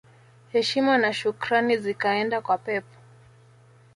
Heshima na shukrani zikaenda kwa Pep